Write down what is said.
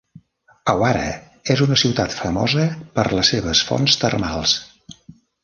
Awara és una ciutat famosa per les seves fonts termals.